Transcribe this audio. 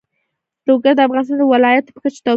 لوگر د افغانستان د ولایاتو په کچه توپیر لري.